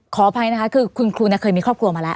ขออภัยนะคะคือคุณครูเคยมีครอบครัวมาแล้ว